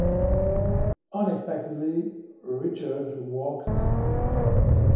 Unexpectedly, Richard walks threateningly out of the fog.